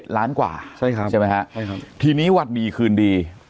๑๗ล้านกว่าใช่ไหมครับทีนี้วัดมีคืนดี